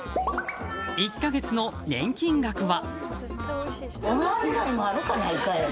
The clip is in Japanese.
１か月の年金額は。